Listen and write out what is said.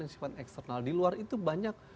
sifat eksternal di luar itu banyak